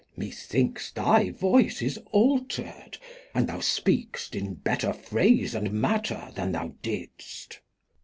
Methinks thy Voice is alter'd, and thou speak'st In better Phrase and Matter than thou didst.